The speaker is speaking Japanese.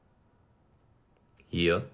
いや。